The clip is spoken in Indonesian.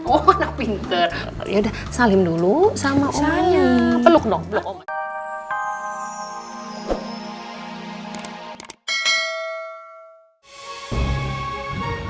oh anak pinter yaudah salim dulu sama omi